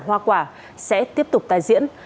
hoa quả sẽ tiếp tục tài diễn